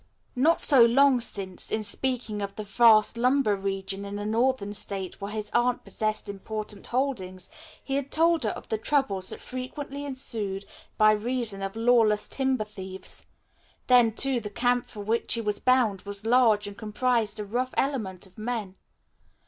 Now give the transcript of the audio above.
Not so long since, in speaking of the vast lumber region in a northern state where his aunt possessed important holdings, he had told her of the troubles that frequently ensued by reason of lawless timber thieves. Then, too, the camp for which he was bound was large and comprised a rough element of men.